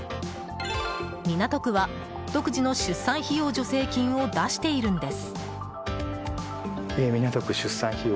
港区は、独自の出産費用助成金を出しているんです。